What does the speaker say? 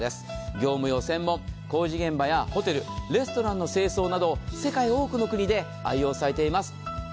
業務用専門、工事現場やホテル、レストランの清掃など世界の多くの国で愛用されています。